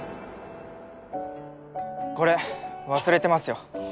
これ忘れてますよ。